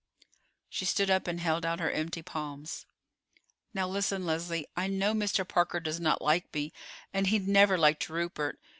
She stood up and held out her empty palms. "Now listen, Leslie. I know Mr. Parker does not like me, and he never liked Rupert.